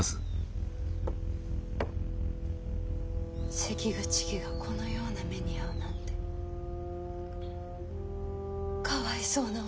関口家がこのような目に遭うなんてかわいそうなお瀬名様。